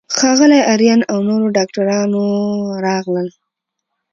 ښاغلی آرین او نورو ډاکټرانو راغلل.